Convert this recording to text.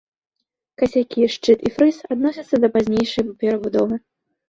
Касякі, шчыт і фрыз адносяцца да пазнейшай перабудовы.